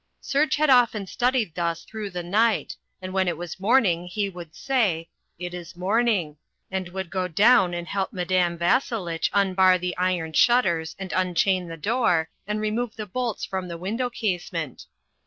Serge had often studied thus through the night and when it was morning he would say, "It is morning," and would go down and help Madame Vasselitch unbar the iron shutters and unchain the door, and remove the bolts from the window casement.